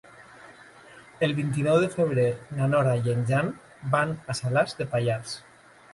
El vint-i-nou de febrer na Nora i en Jan van a Salàs de Pallars.